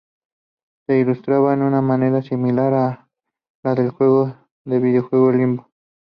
Se ilustra de una manera similar a la del juego de vídeo "Limbo".